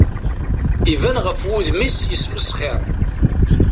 Iban ɣef wudem-is yesmesxir.